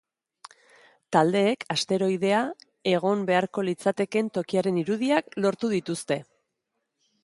Taldeek asteroidea egon beharko litzatekeen tokiaren irudiak lortu dituzte.